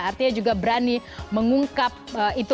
artinya juga berani mengungkap itu kepada kita